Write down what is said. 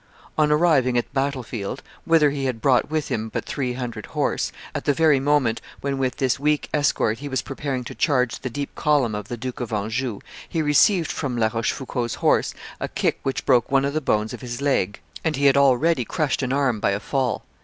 On arriving at the battle field, whither he had brought with him but three hundred horse, at the very moment when, with this weak escort, he was preparing to charge the deep column of the Duke of Anjou, he received from La Rochefoucauld's horse a kick which broke one of the bones of his leg; and he had already crushed an arm by a fall.